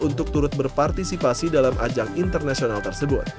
untuk turut berpartisipasi dalam ajang internasional tersebut